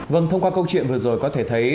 vâng thông qua câu chuyện vừa rồi có thể thấy